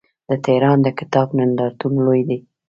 د تهران د کتاب نندارتون لوی دی.